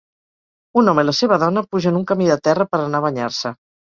un home i la seva dona pugen un camí de terra per anar a banyar-se.